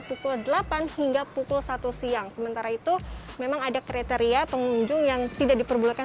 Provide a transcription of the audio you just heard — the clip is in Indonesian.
pukul delapan hingga pukul satu siang sementara itu memang ada kriteria pengunjung yang tidak diperbolehkan